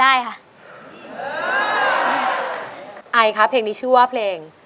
ไอค่ะไอคะเพลงนี้ชื่อว่าเพลง